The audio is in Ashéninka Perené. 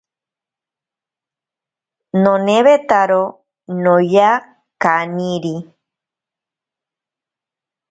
Nonewetaro noya kaniri.